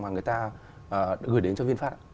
mà người ta gửi đến cho vinfast ạ